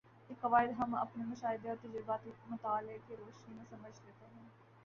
یہ قواعد ہم اپنے مشاہدے اور تجزیاتی مطالعے کی روشنی میں سمجھ لیتے ہیں